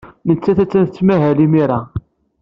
Nettat attan tettmahal imir-a.